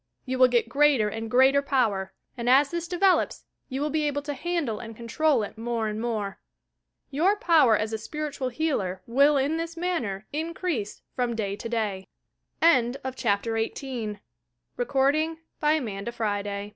You will get greater and greater power, and as this develops, you will be able to handle and control it more and more. Your power as a spiritual healer will ia this manner increase from day to day. THE CULTIVATION OF SENSITIVENE